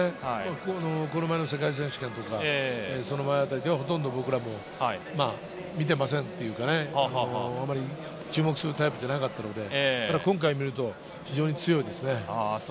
この前の世界選手権とか、その前あたりではほとんど僕らも見てませんというか、注目するタイプではなかったのでただ今回見ると非常に強いです。